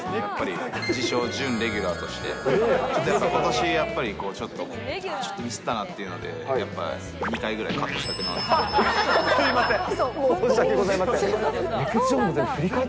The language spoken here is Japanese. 自称、準レギュラーとして、ことしやっぱり、ちょっとミスったなっていうので、やっぱ、２回ぐらいカットされてたなと思って。